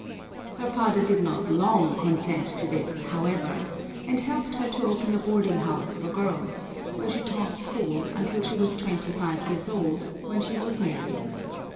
Her father did not long consent to this, however, and helped her to open a boarding house for girls, where she taught school until she was twenty five years old when she was married.